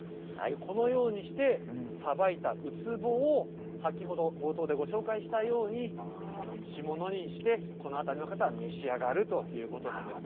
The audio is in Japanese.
このようにしてさばいたウツボを、先ほど、冒頭でご紹介したように、干物にして、この辺りの方は召し上がるということなんです。